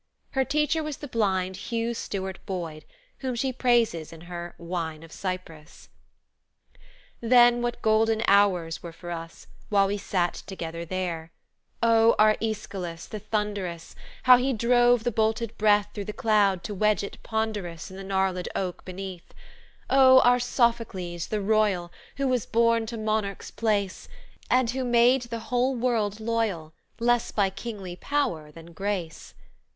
Her teacher was the blind Hugh Stuart Boyd, whom she praises in her Wine of Cyprus. "Then, what golden hours were for us! While we sate together there; "Oh, our Aeschylus, the thunderous! How he drove the bolted breath Through the cloud to wedge it ponderous In the gnarlèd oak beneath. Oh, our Sophocles, the royal, Who was born to monarch's place, And who made the whole world loyal, Less by kingly power than grace.